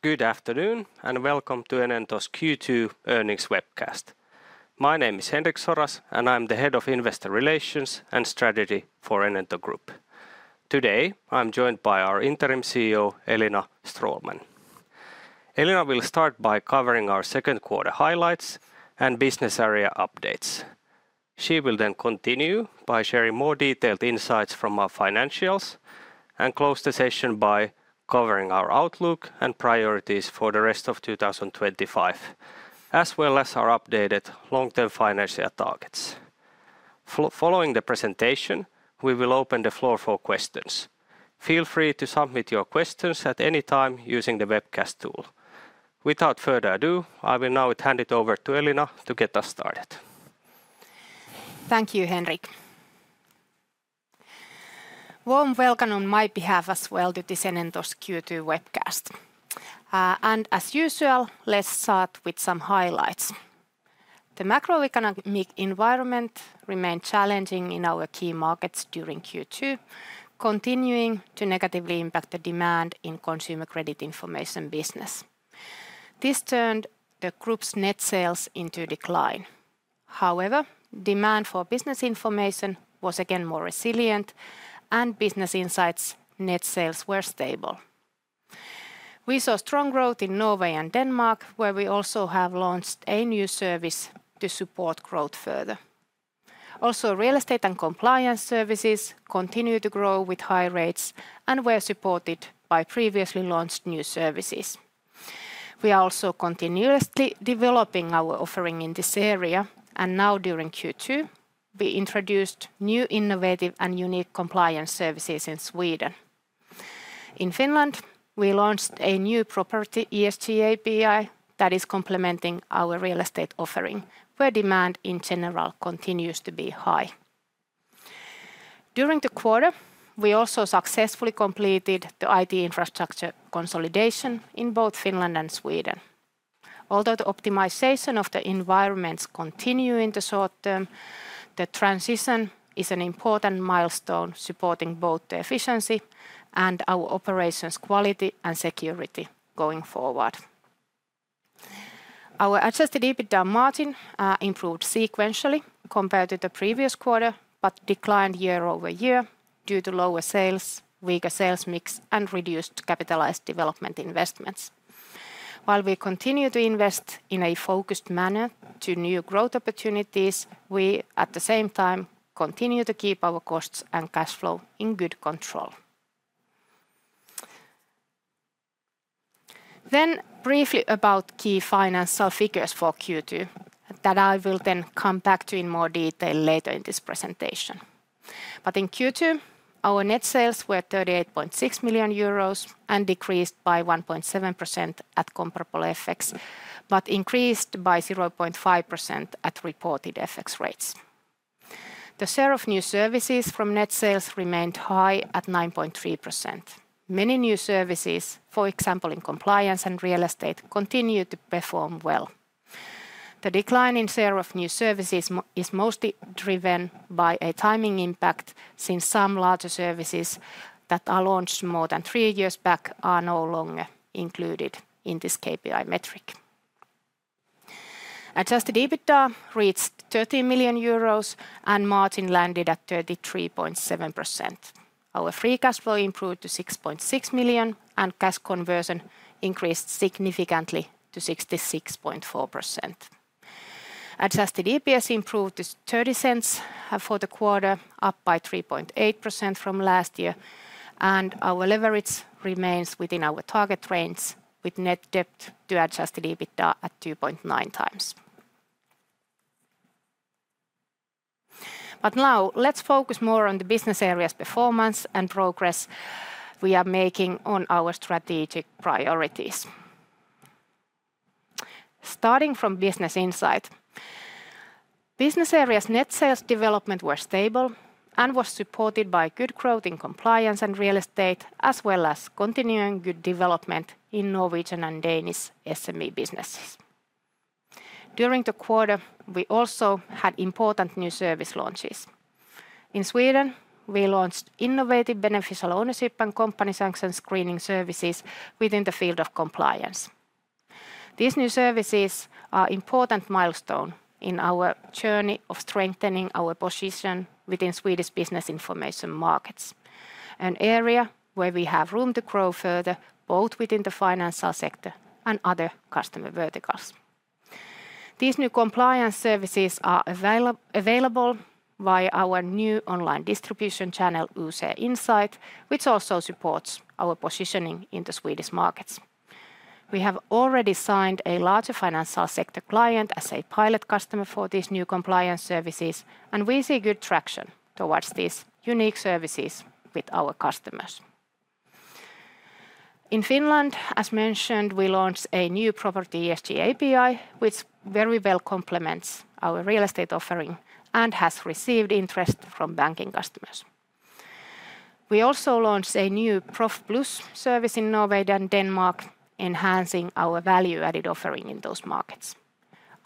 Good afternoon and welcome to Enento's Q2 earnings webcast. My name is Henrik Soras and I'm the Head of Investor Relations and Strategy for Enento Group. Today I'm joined by our Interim CEO Elina Stråhlman. Elina will start by covering our second quarter highlights and business area updates. She will then continue by sharing more detailed insights from our financials and close the session by covering our outlook and priorities for the rest of 2025 as well as our updated long term financial targets. Following the presentation, we will open the floor for questions. Feel free to submit your questions at any time using the webcast tool. Without further ado, I will now hand it over to Elina to get us started. Thank you, Henrik. Warm welcome on my behalf as well to the Enento's Q2 webcast. As usual, let's start with some highlights. The macro-economic environment remained challenging in our key markets during Q2, continuing to negatively impact the demand in consumer credit information business. This turned the group's net sales into decline. However, demand for business information was again more resilient and Business Insight net sales were stable. We saw strong growth in Norway and Denmark, where we also have launched a new service to support growth further. Also, real estate and compliance services continue to grow with high rates and were supported by previously launched new services. We are also continuously developing our offering in this area. Now during Q2, we introduced new innovative and unique compliance services in Sweden. In Finland, we launched a new property ESG API that is complementing our real estate offering, where demand in general continues to be high. During the quarter, we also successfully completed the IT infrastructure consolidation in both Finland and Sweden. Although the optimization of the environments continues in the short term, the transition is an important milestone supporting both the efficiency and our operations, quality, and security. Going forward, our adjusted EBITDA margin improved sequentially compared to the previous quarter, but declined year over year due to lower sales, weaker sales mix, and reduced capitalized development investments. While we continue to invest in a focused manner to new growth opportunities, we at the same time continue to keep our costs and cash flow in good control. Briefly about key financial figures for Q2 that I will then come back to in more detail later in this presentation. In Q2, our net sales were 38.6 million euros and decreased by 1.7% at comparable FX but increased by 0.5% at reported FX rates. The share of new services from net sales remained high at 9.3%. Many new services, for example in compliance and real estate, continued to perform well. The decline in sale of new services is mostly driven by a timing impact since some larger services that are launched more than three years back are no longer included in this KPI metric. Adjusted EBITDA reached 13 million euros and margin landed at 33.7%. Our free cash flow improved to 6.6 million and cash conversion increased significantly to 66.4%. Adjusted EPS improved 0.30 for the quarter, up by 3.8% from last year, and our leverage remains within our target range with net debt to adjusted EBITDA at 2.9x. Now let's focus more on the business areas' performance and progress we are making on our strategic priorities. Starting from Business Insight, Business Area's net sales development were stable and was supported by good growth in compliance and real estate as well as continuing good development in Norwegian and Danish SME businesses. During the quarter, we also had important new service launches. In Sweden, we launched innovative beneficial ownership and company sanctioned screening services within the field of compliance. These new services are important milestones in our journey of strengthening our position within Swedish business information markets, an area where we have room to grow further both within the financial sector and other customer verticals. These new compliance services are available via our new online distribution channel User Insight, which also supports our positioning in the Swedish markets. We have already signed a larger financial sector client as a pilot customer for these new compliance services, and we see good traction towards these unique services with our customers. In Finland, as mentioned, we launched a new property ESG API, which very well complements our real estate offering and has received interest from banking customers. We also launched a new Proff PLUSS service in Norway and Denmark, enhancing our value-added offering in those markets.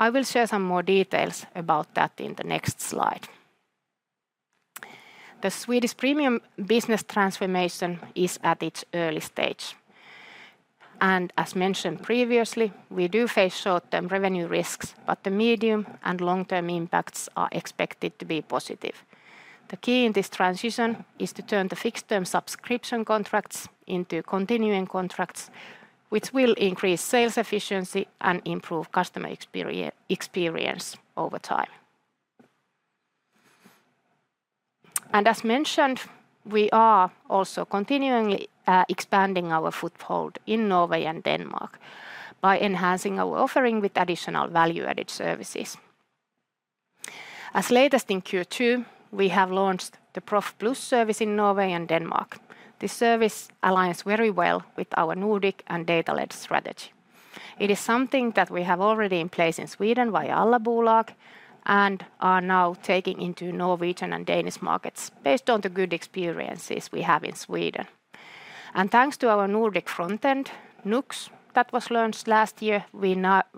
I will share some more details about that in the next slide. The Swedish premium business transformation is at its early stage, and as mentioned previously, we do face short-term revenue risks, but the medium and long-term impacts are expected to be positive. The key in this transition is to turn the fixed-term subscription contracts into continuing contracts, which will increase sales efficiency and improve customer experience over time. As mentioned, we are also continually expanding our foothold in Norway and Denmark by enhancing our offering with additional value-added services. As latest in Q2, we have launched the Proff PLUSS service in Norway and Denmark. This service aligns very well with our Nordic and data-led strategy. It is something that we have already in place in Sweden via Allabolag and are now taking into Norwegian and Danish markets. Based on the good experiences we have in Sweden and thanks to our Nordic front end [NUCs] that was launched last year,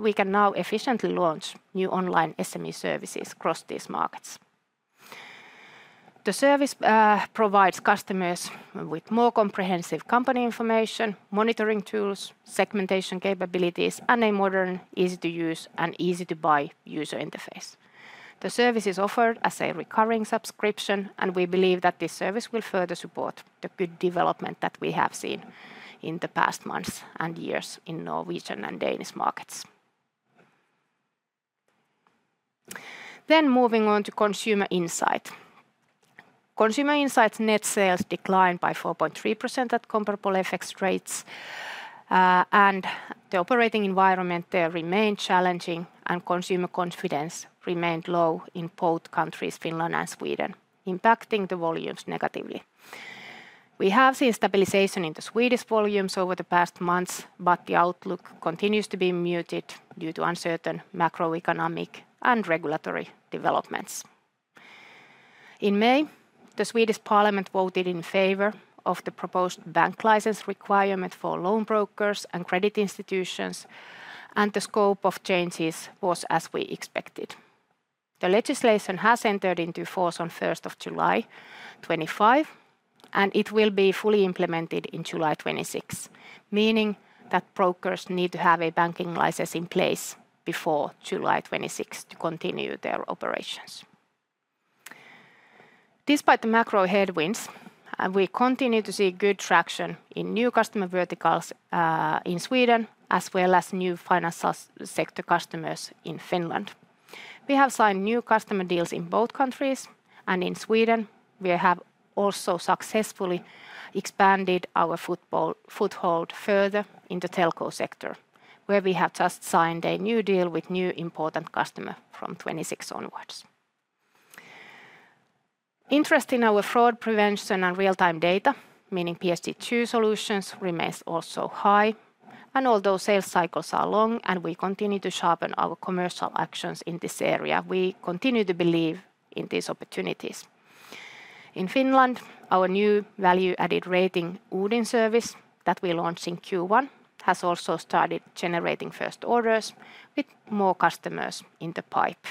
we can now efficiently launch new online SME services across these markets. The service provides customers with more comprehensive company information, monitoring tools, segmentation capabilities, and a modern, easy to use and easy to buy user interface. The service is offered as a recurring subscription, and we believe that this service will further support the good development that we have seen in the past months and years in Norwegian and Danish markets. Moving on to Consumer Insight, Consumer Insight's net sales declined by 4.3% at comparable FX rates, and the operating environment remained challenging. Consumer confidence remained low in both countries, Finland and Sweden, impacting the volumes negatively. We have seen stabilization in the Swedish volumes over the past months, but the outlook continues to be muted due to uncertain macro-economic and regulatory developments. In May, the Swedish Parliament voted in favor of the proposed bank license requirement for loan brokers and credit institutions, and the scope of changes was as we expected. The legislation has entered into force on July 1st, 2025, and it will be fully implemented in July 2026, meaning that brokers need to have a banking license in place before July 2026 to continue their operations. Despite the macro headwinds, we continue to see good traction in new customer verticals in Sweden as well as new finance sector customers. In Finland, we have signed new customer deals in both countries, and in Sweden, we have also successfully expanded our foothold further in the telco sector where we have just signed a new deal with new important customers from 2026 onwards. Interest in our fraud prevention and real-time data, meaning PSD2 solutions, remains also high, and although sales cycles are long and we continue to sharpen our commercial actions in this area, we continue to believe in these opportunities. In Finland, our new value-added Rating Odin service that we launched in Q1 has also started generating first orders with more customers in the pipe.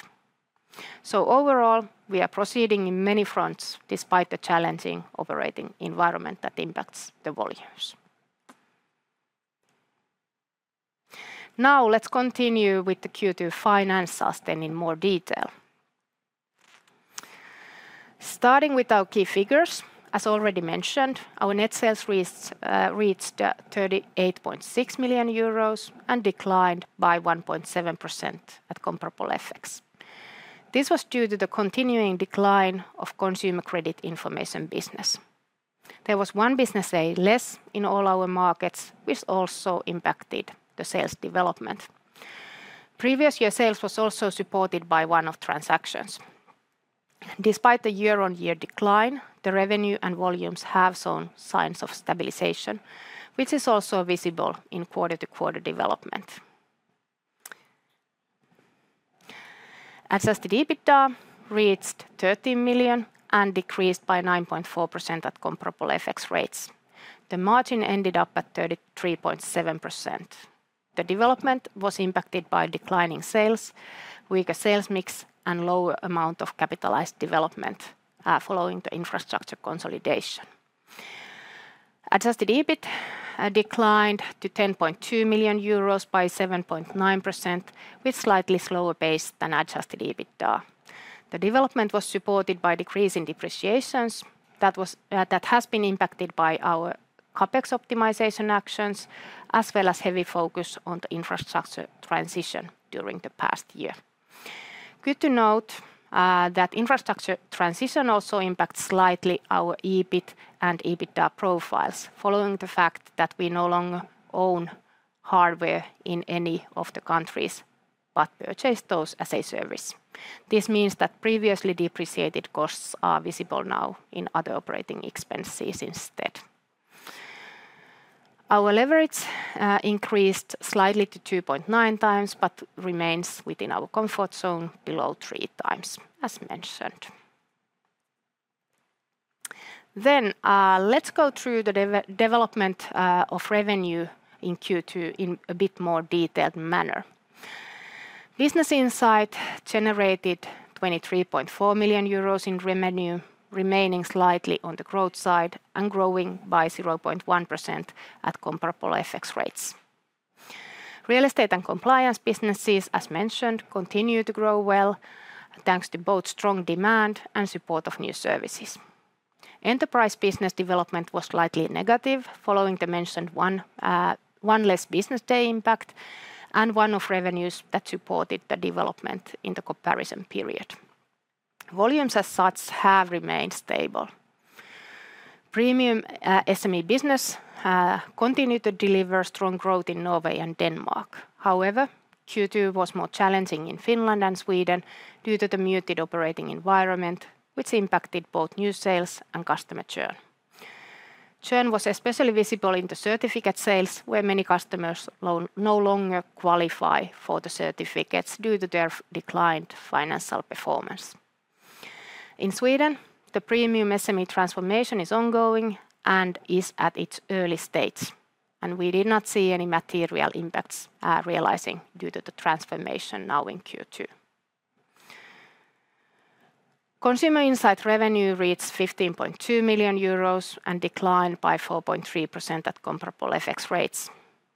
Overall, we are proceeding in many fronts despite the challenging operating environment that impacts the volumes. Now let's continue with the Q2 finance sustained in more detail, starting with our key figures. As already mentioned, our net sales reached 38.6 million euros and declined by 1.7% at comparable FX. This was due to the continuing decline of consumer credit information business. There was one business day less in all our markets, which also impacted the sales development. Previous year sales was also supported by one-off transactions. Despite the year-on-year decline, the revenue and volumes have shown signs of stabilization, which is also visible in quarter-to-quarter development. Adjusted EBITDA reached 13 million and decreased by 9.4%. At comparable FX rates, the margin ended up at 33.7%. The development was impacted by declining sales, weaker sales mix, and lower amount of capitalized development. Following the infrastructure consolidation, adjusted EBIT declined to 10.2 million euros by 7.9% with slightly slower pace than adjusted EBITDA. The development was supported by decrease in depreciations that has been impacted by our CapEx optimization actions as well as heavy focus on the infrastructure transition during the past year. Good to note that infrastructure transition also impacts slightly our EBIT and EBITDA profiles following the fact that we no longer own hardware in any of the countries but purchase those as a service. This means that previously depreciated costs are visible now in other operating expenses instead. Our leverage increased slightly to 2.9x but remains within our comfort zone below 3x as mentioned. Let's go through the development of revenue in Q2 in a bit more detailed manner. Business Insight generated 23.4 million euros in revenue, remaining slightly on the growth side and growing by 0.1% at comparable FX rates. Real estate and compliance businesses, as mentioned, continue to grow well thanks to both strong demand and support of new services. Enterprise business development was slightly negative following the mentioned one business day less impact and one-off revenues that supported the development in the comparison period. Volumes as such have remained stable. Premium SME business continued to deliver strong growth in Norway and Denmark. However, Q2 was more challenging in Finland and Sweden due to the muted operating environment, which impacted both new sales and customer churn. Churn was especially visible in the certificate sales where many customers no longer qualify for the certificates due to their declined financial performance. In Sweden, the premium SME transformation is ongoing and is at its early stage, and we did not see any material impacts. Realizing due to the transformation now in Q2, Consumer Insight revenue reached 15.2 million euros and declined by 4.3% at comparable FX rates.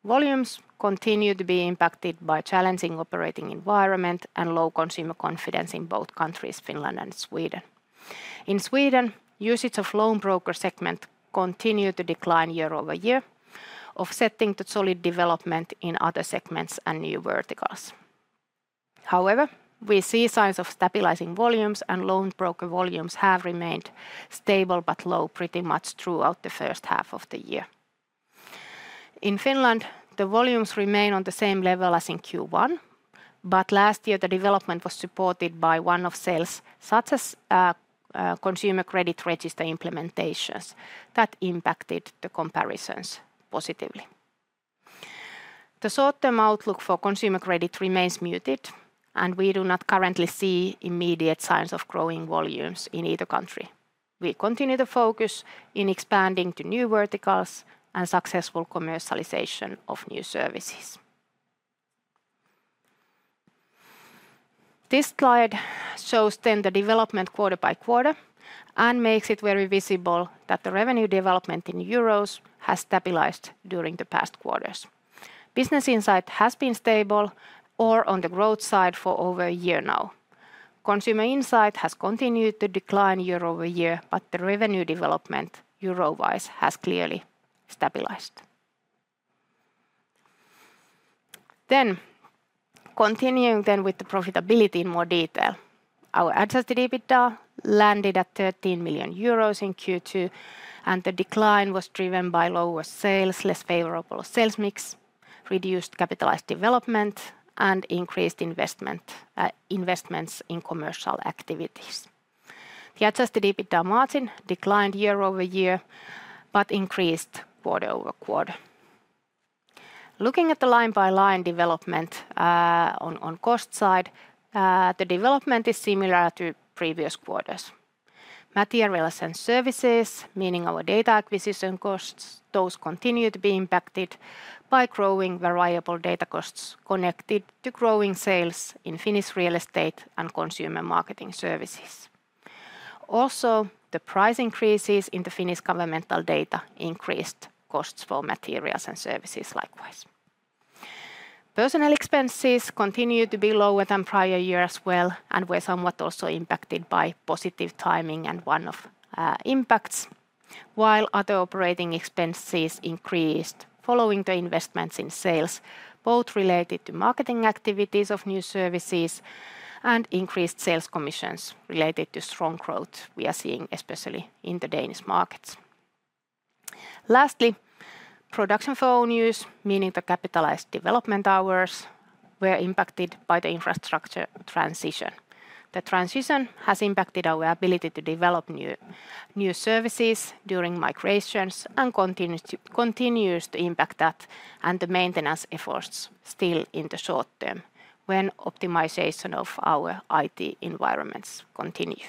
Volumes continue to be impacted by the challenging operating environment and low consumer confidence in both countries, Finland and Sweden. In Sweden, usage of the loan broker segment continues to decline year over year, offsetting the solid development in other segments and new verticals. However, we see signs of stabilizing volumes, and loan broker volumes have remained stable but low pretty much throughout the first half of the year. In Finland, the volumes remain on the same level as in Q1, but last year the development was supported by one-off sales such as consumer credit register implementations that impacted the comparisons positively. The short-term outlook for consumer credit remains muted, and we do not currently see immediate signs of growing volumes in either country. We continue to focus on expanding to new verticals and successful commercialization of new services. This slide shows the development quarter by quarter and makes it very visible that the revenue development in euros has stabilized during the past quarters. Business Insight has been stable or on the growth side for over a year now. Consumer Insight has continued to decline year over year, but the revenue development euro-wise has clearly stabilized. Continuing with the profitability, in more detail, our adjusted EBITDA landed at 13 million euros in Q2, and the decline was driven by lower sales, less favorable sales mix, reduced capitalized development, and increased investments in commercial activities. The adjusted EBITDA margin declined year over year but increased quarter over quarter. Looking at the line-by-line development on the cost side, the development is similar to previous quarters. Meteor license services, meaning our data acquisition costs, continue to be impacted by growing variable data costs connected to growing sales in Finnish real estate and consumer marketing services. Also, the price increases in the Finnish governmental data increased costs for materials and services. Likewise, personnel expenses continued to be lower than prior year as well and were somewhat also impacted by positive timing and one-off impacts, while other operating expenses increased following the investments in sales, both related to marketing activities of new services and increased sales commissions related to strong growth we are seeing especially in the Danish markets. Lastly, production volumes, meaning the capitalized development hours, were impacted by the infrastructure transition. The transition has impacted our ability to develop new services during migrations and continues to impact that and the maintenance efforts still in the short term when optimization of our IT environments continue.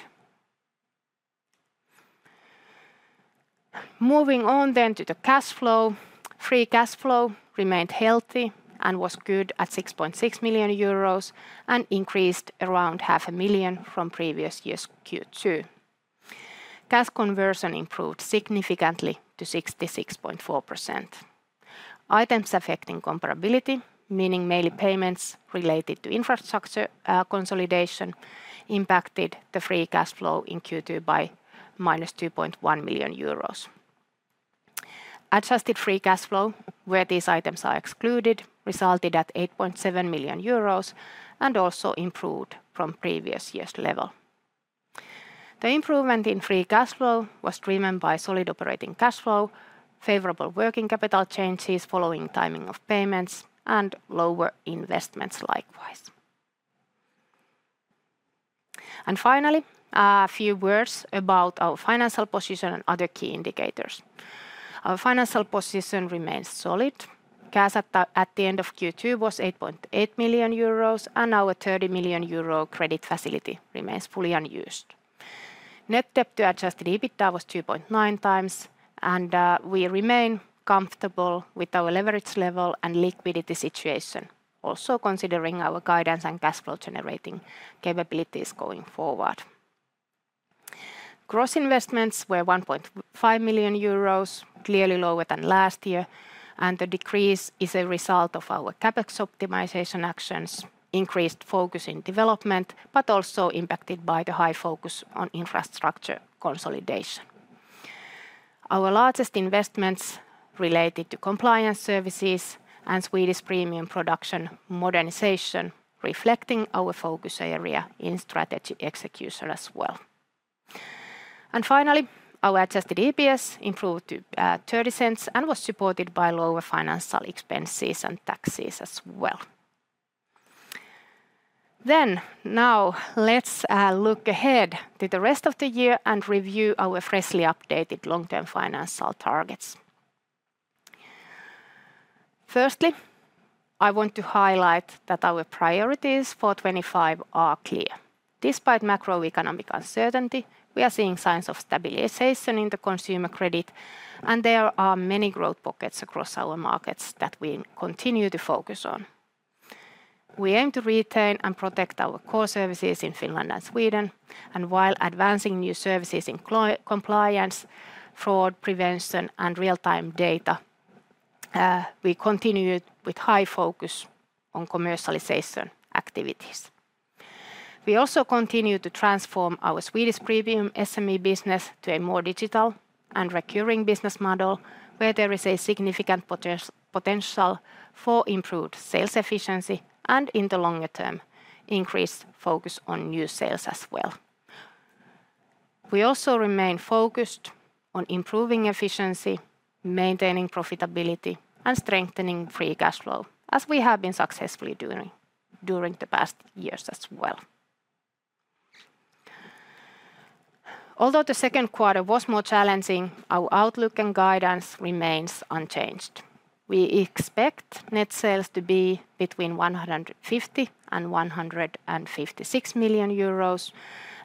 Moving on to the cash flow, free cash flow remained healthy and was good at 6.6 million euros and increased around 500,000 from previous year's Q2. Cash conversion improved significantly to 66.4%. Items affecting comparability, meaning mainly payments related to infrastructure consolidation, impacted the free cash flow in Q2 by -2.1 million euros. Adjusted free cash flow, where these items are excluded, resulted at 8.7 million euros and also improved from previous year's level. The improvement in free cash flow was driven by solid operating cash flow, favorable working capital changes following timing of payments, and lower investments. Likewise, and finally, a few words about our financial position and other key indicators. Our financial position remains solid. Cash at the end of Q2 was 8.8 million euros and our 30 million euro credit facility remains fully unused. Net debt to adjusted EBITDA was 2.9x and we remain comfortable with our leverage level and liquidity situation, also considering our guidance and cash flow generating capabilities going forward. Gross investments were 1.5 million euros, clearly lower than last year, and the decrease is a result of our CapEx optimization actions, increased focus in development, but also impacted by the high focus on infrastructure consolidation. Our largest investments related to compliance services and Swedish premium production modernization, reflecting our focus area in strategy execution as well. Finally, our adjusted EPS improved to 0.30 and was supported by lower financial expenses and taxes as well. Now let's look ahead to the rest of the year and review our freshly updated long-term financial targets. Firstly, I want to highlight that our priorities for 2025 are clear. Despite macro-economic uncertainty, we are seeing signs of stabilization in the consumer credit and there are many growth pockets across our markets that we continue to focus on. We aim to retain and protect our core services in Finland and Sweden while advancing new services in compliance, fraud prevention, and real-time data. We continued with high focus on commercialization activities. We also continue to transform our Swedish premium SME business to a more digital and recurring business model where there is a significant potential for improved sales efficiency and, in the longer term, increased focus on new sales as well. We also remain focused on improving efficiency, maintaining profitability, and strengthening free cash flow as we have been successfully doing during the past years as well. Although the second quarter was more challenging, our outlook and guidance remains unchanged. We expect net sales to be between 150 million and 156 million euros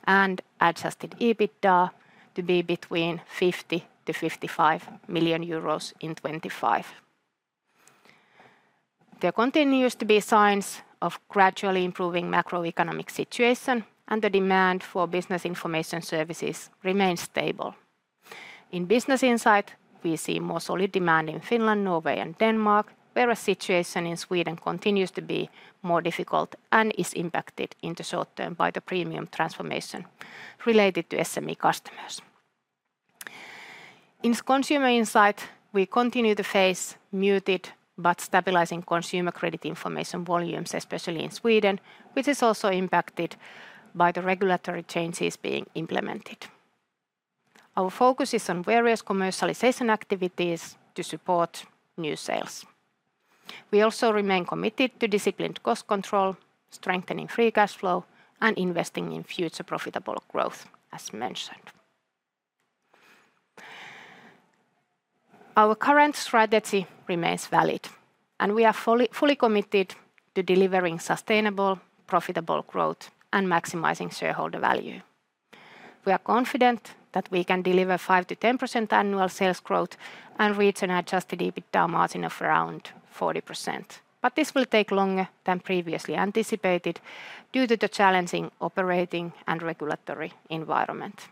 and adjusted EBITDA to be between 50 million-55 million euros in 2025. There continue to be signs of a gradually improving macro-economic situation and the demand for business information services remains stable. In Business Insight, we see more solid demand in Finland, Norway, and Denmark, whereas the situation in Sweden continues to be more difficult and is impacted in the short term by the premium transformation related to SME customers. In Consumer Insight, we continue to face muted but stabilizing consumer credit information volumes, especially in Sweden, which is also impacted by the regulatory changes being implemented. Our focus is on various commercialization activities to support new sales. We also remain committed to disciplined cost control, strengthening free cash flow, and investing in future profitable growth. As mentioned, our current strategy remains valid and we are fully committed to delivering sustainable profitable growth and maximizing shareholder value. We are confident that we can deliver 5%-10% annual sales growth and reach an adjusted EBITDA margin of around 40%, but this will take longer than previously anticipated due to the challenging operating and regulatory environment.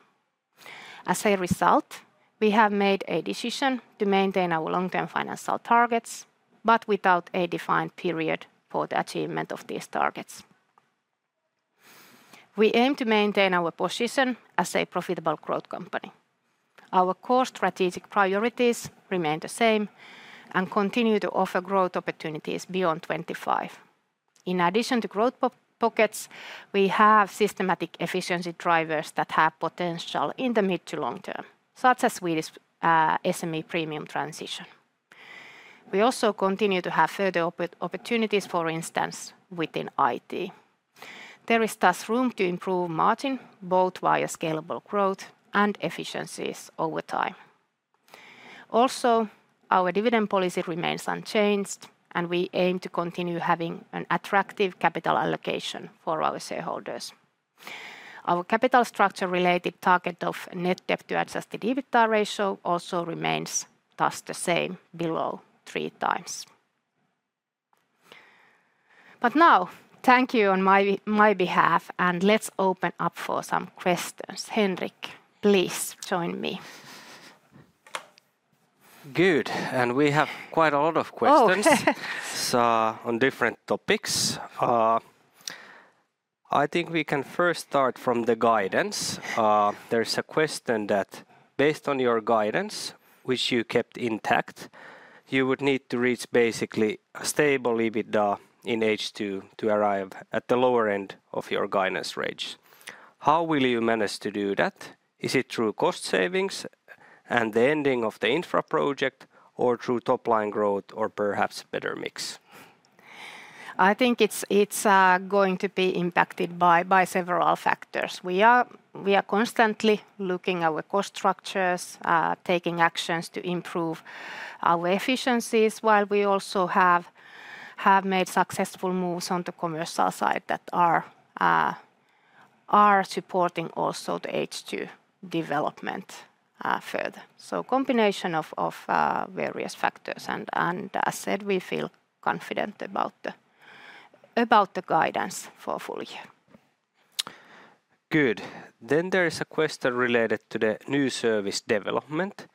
As a result, we have made a decision to maintain our long-term financial targets but without a defined period for the achievement of these targets. We aim to maintain our position as a profitable growth company. Our core strategic priorities remain the same and continue to offer growth opportunities beyond 2025. In addition to growth pockets, we have systematic efficiency drivers that have potential in the mid to long term, such as Swedish SME premium transition. We also continue to have further opportunities, for instance within IT. There is thus room to improve margin both via scalable growth and efficiencies over time. Also, our dividend policy remains unchanged, and we aim to continue having an attractive capital allocation for our shareholders. Our capital structure related target of net debt to adjusted EBITDA ratio also remains just the same, below three times. Thank you on my behalf, and let's open up for some questions. Henrik, please join me. Good. We have quite a lot of questions on different topics. I think we can first start from the guidance. There's a question that based on your guidance, which you kept intact, you would need to reach basically stable EBITDA in H2 to arrive at the lower end of your guidance range. How will you manage to do that? Is it through cost savings and the ending of the infra project, or through top line growth, or perhaps better mix? I think it's going to be impacted by several factors. We are constantly looking at our cost structures, taking actions to improve our efficiencies, while we also have made successful moves on the commercial side that are supporting also the H2 development further. A combination of various factors, and as said, we feel confident about the guidance for full year. There is a question related to the new service development.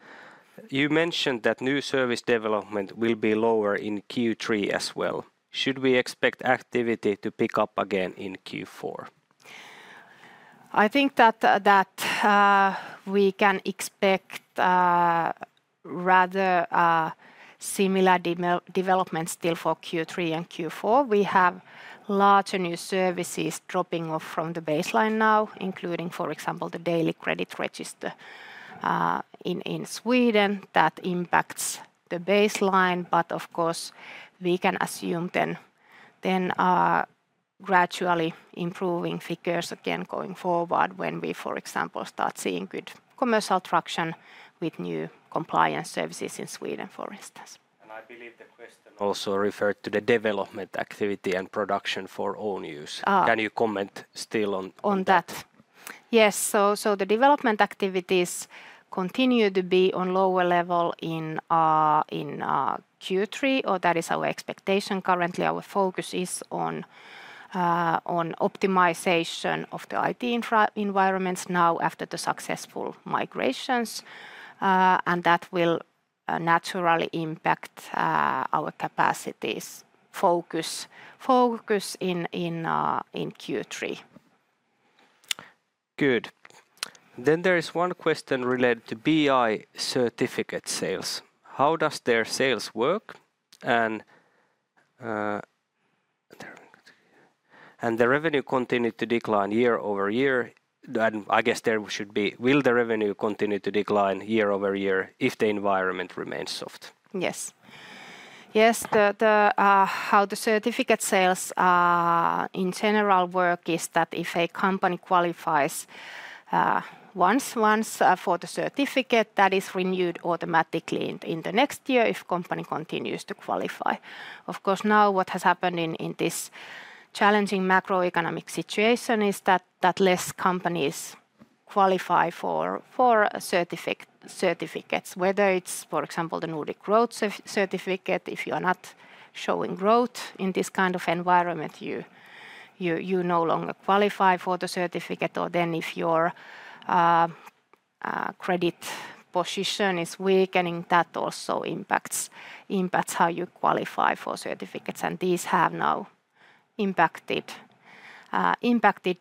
You mentioned that new service development will be lower in Q3 as well. Should we expect activity to pick up again in Q4? I think that we can expect rather similar development still for Q3 and Q4. We have larger new services dropping off from the baseline now, including, for example, the daily credit register in Sweden that impacts the baseline. Of course, we can assume then gradually improving figures again going forward when we, for example, start seeing good commercial traction with new compliance services in Sweden, for instance. I believe the question also referred to the development activity and production for own use. Can you comment still on that? Yes. The development activities continue to be on lower level in Q3, or that is our expectation. Currently, our focus is on optimization of the IT environments now after the successful migrations, and that will naturally impact our capacities focus in Q3. There is one question related to BI certificate sales. How does their sales work, and will the revenue continue to decline year-over-year if the environment remains soft? Yes, yes. How the certificate sales in general work is that if a company qualifies once for the certificate, that is renewed automatically in the next year if the company continues to qualify. Of course, now what has happened in this challenging macro-economic environment is that fewer companies qualify for certificates. Whether it's, for example, the NORI growth certificate, if you are not showing growth in this kind of environment, you no longer qualify for the certificate. If your credit position is weakening, that also impacts how you qualify for certificates. These have now impacted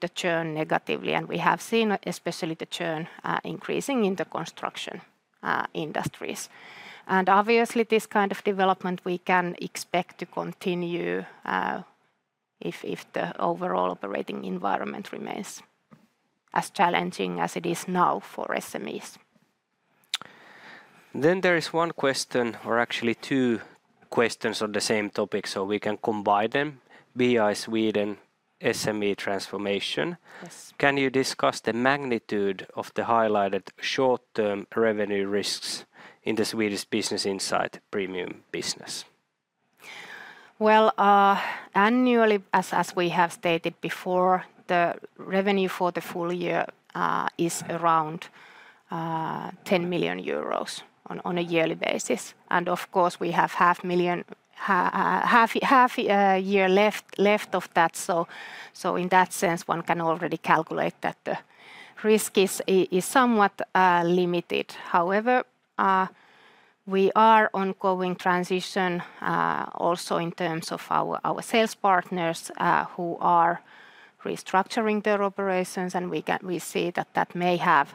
the churn negatively. We have seen especially the churn increasing in the construction industries. Obviously, this kind of development we can expect to continue if the overall operating environment remains as challenging as it is now for SMEs. There is one question, or actually two questions on the same topic, so we can combine them. BI Sweden SME transformation, can you discuss the magnitude of the highlighted short term revenue risks in the Swedish Business Insight Premium business? Annually, as we have stated before, the revenue for the full year is around 10 million euros on a yearly basis. Of course, we have half a year left of that. In that sense, one can already calculate that the risk is somewhat limited. However, we are ongoing transition also in terms of our sales partners who are restructuring their operations, and we see that that may have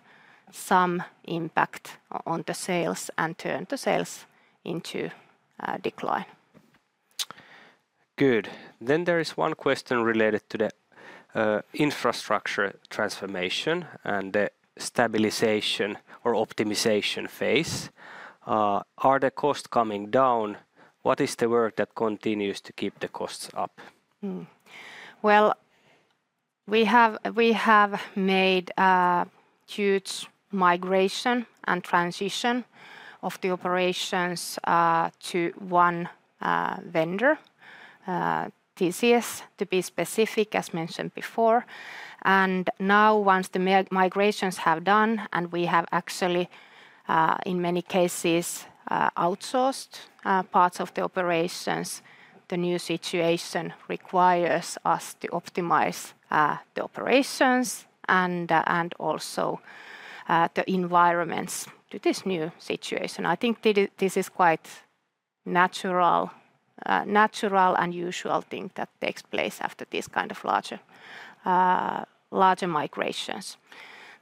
some impact on the sales and turn the sales into decline. There is one question related to the infrastructure transformation and the stabilization or optimization phase. Are the costs coming down? What is the work that continues to keep the costs up? We have made huge migration and transition of the operations to one vendor, TCS, to be specific, as mentioned before. Now once the migrations have done, and we have actually in many cases outsourced parts of the operations, the new situation requires us to optimize the operations and also the environments to this new situation. I think this is quite natural, a usual thing that takes place after this kind of larger, larger migrations.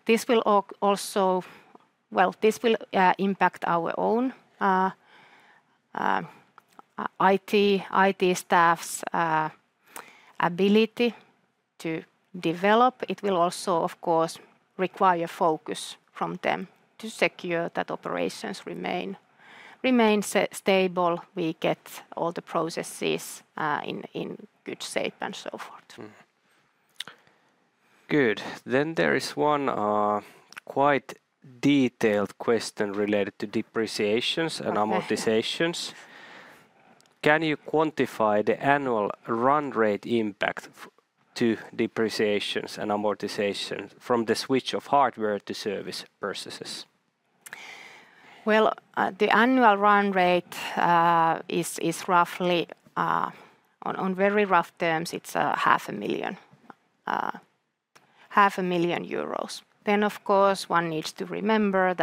This will also impact our own IT staff's ability to develop. It will also of course require focus from them to secure that operations remain stable. We get all the processes in good shape and so forth. There is one quite detailed question related to depreciations and amortizations. Can you quantify the annual run rate impact to depreciations and amortization from the switch of hardware to service processes? The annual run rate is roughly, on very rough terms, it's EUR 500,000. Of course, one needs to remember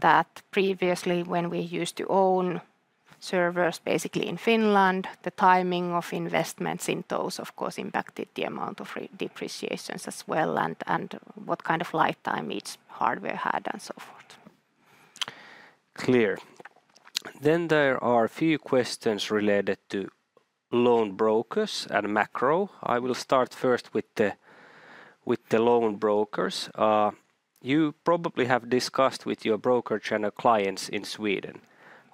that previously, when we used to own servers basically in Finland, the timing of investments in those impacted the amount of depreciations as well, and what kind of lifetime each hardware had and so forth. There are a few questions related to loan brokers and macro. I will start first with the loan brokers. You probably have discussed with your broker channel clients in Sweden.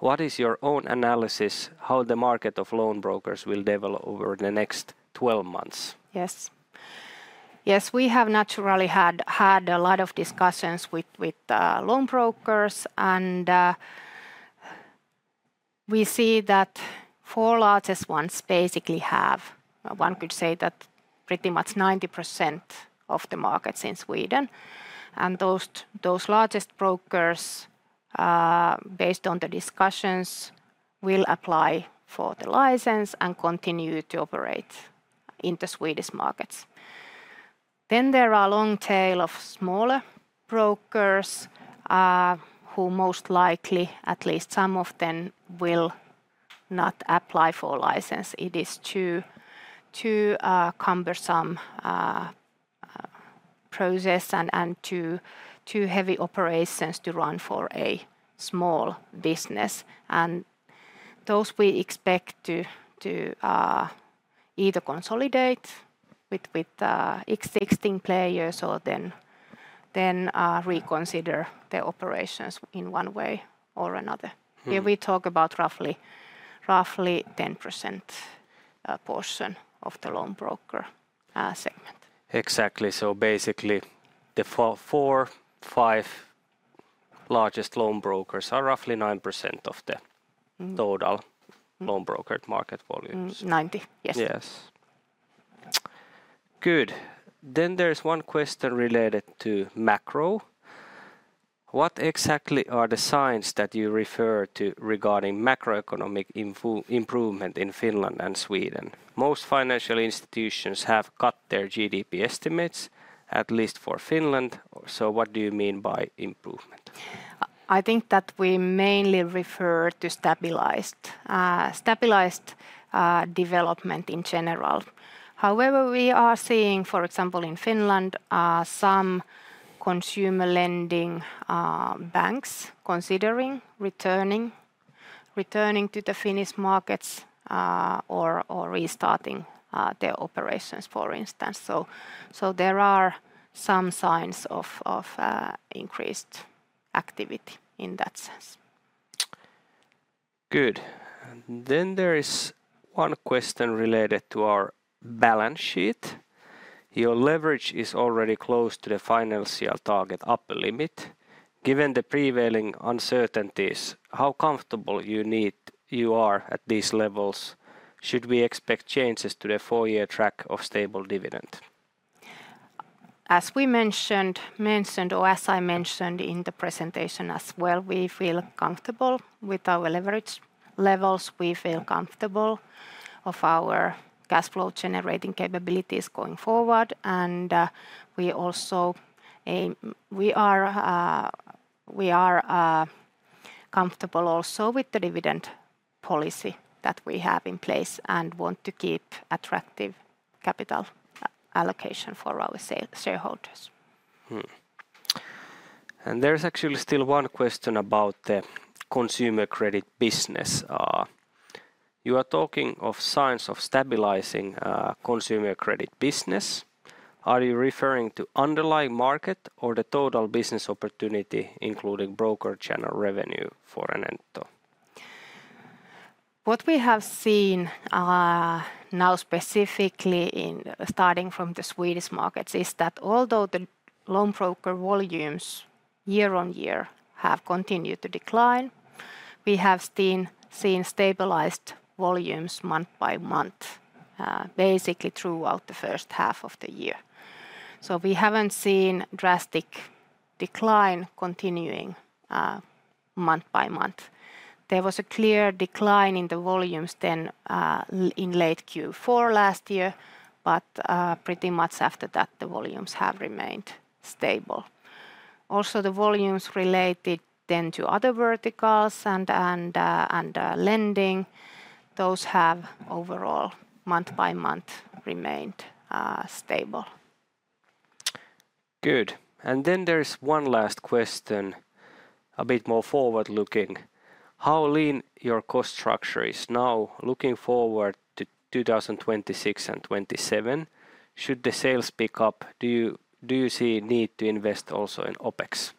What is your own analysis how the market of loan brokers will develop over the next 12 months? Yes, yes. We have naturally had a lot of discussions with loan brokers and we see that the four largest ones basically have, one could say, pretty much 90% of the markets in Sweden. Those largest brokers, based on the discussions, will apply for the license and continue to operate in the Swedish markets. There is a long tail of smaller brokers who most likely, at least some of them, will not apply for a license. It is too cumbersome a process and too heavy operations to run for a small business. We expect those to either consolidate with existing players or reconsider their operations in one way or another. Here we talk about roughly a 10% portion of the loan broker segment. Exactly. Basically, the 4.5 largest loan brokers are roughly 9% of the total loan brokered market volumes. Yes, yes. Good, there's one question related to macro. What exactly are the signs that you refer to regarding macro-economic improvement in Finland and Sweden? Most financial institutions have cut their GDP estimates, at least for Finland. What do you mean by improvement? I think that we mainly refer to stabilized development in general. However, we are seeing, for example, in Finland some consumer lending banks considering returning to the Finnish markets or restarting their operations, for instance. There are some signs of increased activity in that sense. Good. There is one question related to our balance sheet. Your leverage is already close to the final CL target upper limit. Given the prevailing uncertainties, how comfortable you are at these levels, should we expect changes to the four year track of stable dividend As I mentioned in the presentation as well. We feel comfortable with our leverage levels, we feel comfortable with our cash flow generating capabilities going forward. We are also comfortable with the dividend policy that we have in place and want to keep attractive capital allocation for our shareholders. There is actually still one question about the consumer credit business. You are talking of signs of stabilizing consumer credit business. Are you referring to underlying market or the total business opportunity including broker channel revenue for Enento? What we have seen now specifically starting from the Swedish markets is that although the loan broker volumes year on year have continued to decline, we have seen stabilized volumes month by month, basically throughout the first half of the year. We haven't seen drastic decline continuing month by month. There was a clear decline in the volumes in late Q4 last year, but pretty much after that the volumes have remained stable. Also, the volumes related to other verticals and lending have overall month by month remained stable. Good. There's one last question, a bit more forward looking. How lean your cost structure is now looking forward to 2026 and 2027 should the sales pick up? Do you see need to invest also in OpEx?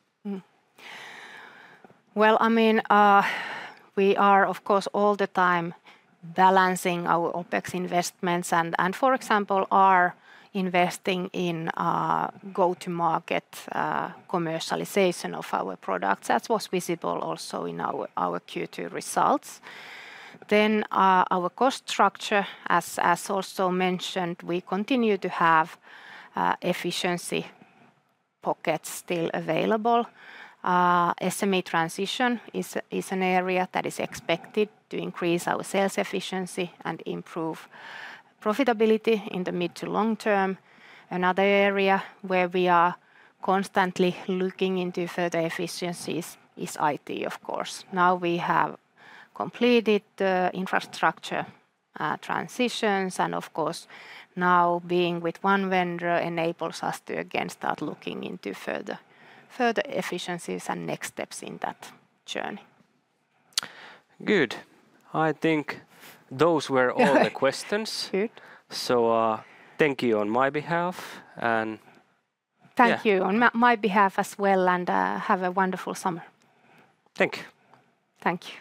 We are of course all the time balancing our OpEx investments and for example our investing in go to market commercialization of our products, as was visible also in our Q2 results. Our cost structure, as also mentioned, we continue to have efficiency pockets still available. SME transition is an area that is expected to increase our sales efficiency and improve profitability in the mid to long term. Another area where we are constantly looking into further efficiencies is it of course now we have completed infrastructure transitions and of course now being with one vendor enables us to again start looking into further efficiencies and next steps in that journey. Good. I think those were all the questions. Thank you on my behalf. Thank you on my behalf as well, and have a wonderful summer. Thank you. Thank you.